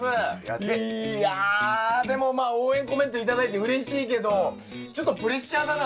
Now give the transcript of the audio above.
いやでもまあ応援コメント頂いてうれしいけどちょっとプレッシャーだな。